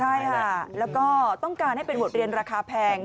ใช่ค่ะแล้วก็ต้องการให้เป็นบทเรียนราคาแพง